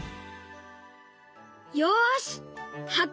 よしはっ